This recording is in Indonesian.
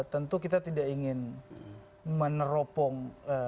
tentu kita tidak ingin meneropong